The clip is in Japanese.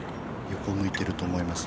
◆横を向いていると思います。